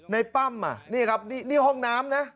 ปั้มอ่ะนี่ครับนี่ห้องน้ำนะ